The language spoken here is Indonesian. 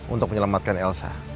untuk menyelamatkan elsa